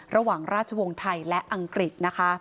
ระหว่างราชวงศ์ไทยและอังกฤษนะคะ